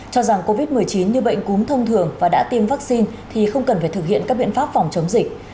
cho rằng covid một mươi chín như bệnh cúm thông thường và đã tiêm vaccine thì không cần phải thực hiện các biện pháp phòng chống dịch